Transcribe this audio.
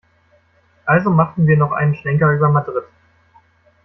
Also machten wir noch einen Schlenker über Madrid.